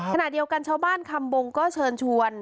ขณะเดียวกันชาวบ้านคำบงก็เชิญชวน